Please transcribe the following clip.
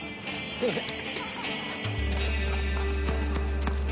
すいません。